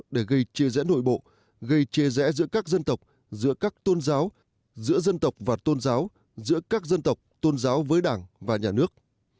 để gây chia rẽ nội bộ gây chia rẽ giữa các dân tộc giữa các tôn giáo giữa dân tộc và tôn giáo giữa các dân tộc tôn giáo với đảng và nhà nước